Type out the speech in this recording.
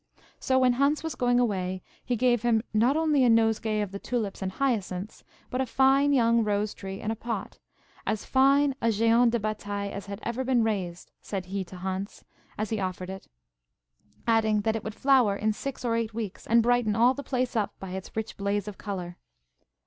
So when Hans was going away, he gave him, not only a nosegay of the tulips and hyacinths, but a fine young rose tree in a pot; "as fine a Géant de Batailles as had ever been raised," said he to Hans, as he offered it; adding that it would flower in six or eight weeks, and brighten all the place up by its rich blaze of colour.